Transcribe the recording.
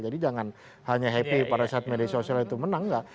jadi jangan hanya happy pada saat media sosial itu menang enggak